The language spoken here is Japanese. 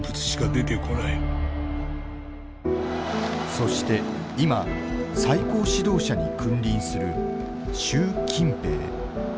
そして今最高指導者に君臨する習近平。